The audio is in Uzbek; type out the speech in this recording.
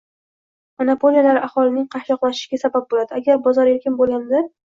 monopoliyalar aholining qashshoqlashishiga sabab bo‘ladi: agar bozor erkin bo‘lganida